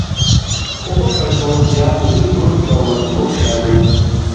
ئۇقۇپ بەرسىڭىز يا ئۆزى تۇرۇپ قىلالمايدۇ بۇ ئىشلارنى.